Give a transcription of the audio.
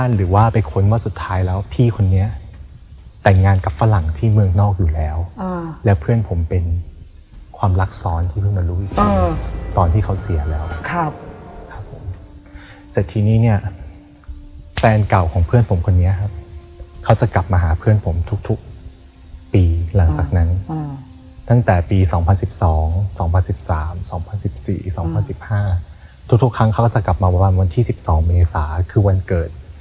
หรือว่าไปค้นว่าสุดท้ายแล้วพี่คนนี้แต่งงานกับฝรั่งที่เมืองนอกอยู่แล้วอ่าแล้วเพื่อนผมเป็นความรักษรที่เพิ่งมารู้อีกอ่าตอนที่เขาเสียแล้วครับครับเสร็จทีนี้เนี้ยแฟนเก่าของเพื่อนผมคนนี้ครับเขาจะกลับมาหาเพื่อนผมทุกทุกปีหลังจากนั้นอ่าตั้งแต่ปีสองพันสิบสองสองพันสิบสามสองพันสิบสี่สองพันสิบห